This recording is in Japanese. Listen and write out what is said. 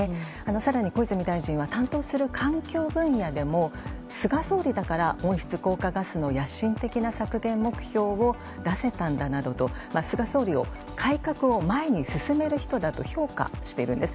更に、小泉大臣は担当する環境分野でも菅総理だから温室効果ガスの野心的な削減目標を出せたんだなどと菅総理を改革を前に進める人だと評価しているんです。